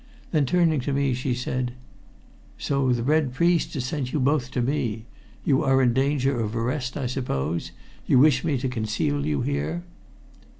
Then, turning to me, she said: "So the Red Priest has sent you both to me! You are in danger of arrest, I suppose you wish me to conceal you here?"